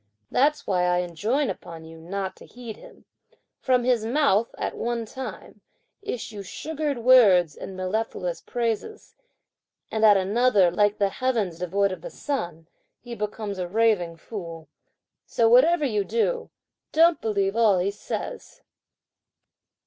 That's why I enjoin upon you not to heed him. From his mouth, at one time, issue sugared words and mellifluous phrases; and at another, like the heavens devoid of the sun, he becomes a raving fool; so whatever you do, don't believe all he says."